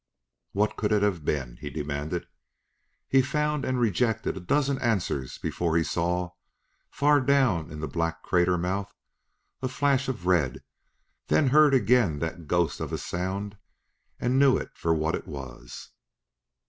What could it have been? he demanded. He found and rejected a dozen answers before he saw, far down in the black crater mouth, a flash of red; then heard again that ghost of a sound and knew it for what it was.